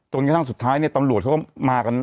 จนกระทั่งสุดท้ายเนี่ยตำรวจเขาก็มากันหลายคนเลย